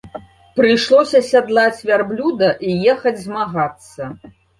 Прыйшлося сядлаць вярблюда і ехаць змагацца.